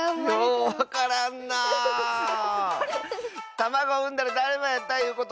たまごをうんだらだるまやったいうことか？